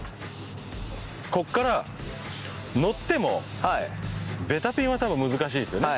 ここから乗ってもベタピンは多分難しいですよね。